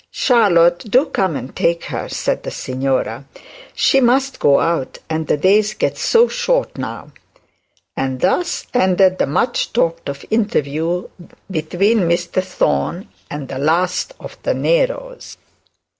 'Charlotte, do come and take her,' said the signora. 'She must go out; and the days get so short now.' And thus ended the much talked of interview between Mr Thorne and the last of the Neros.